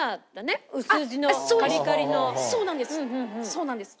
そうなんです。